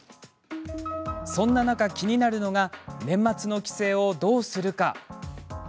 そんな中、気になるのが年末の帰省をどうするか。